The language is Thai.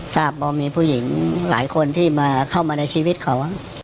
ทราบว่ามีผู้หญิงหลายคนที่มาเข้ามาในชีวิตเขา